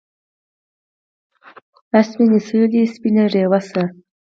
آ سپینې سولې سپینه ډیوه شه